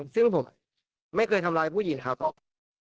ซึ่งผมไม่เคยทำร้ายผู้หญิงครับ